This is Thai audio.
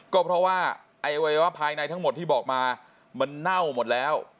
ก็เพราะว่าไอวัยวะภายในทั้งหมดที่บอกมามันเน่าหมดแล้ว